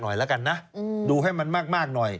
น้อยแล้วกันนะดูให้มันมากมาก